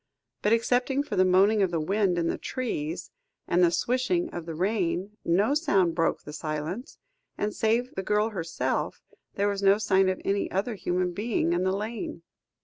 But, excepting for the moaning of the wind in the trees, and the swishing of the rain, no sound broke the silence, and save the girl herself, there was no sign of any other human being in the lane.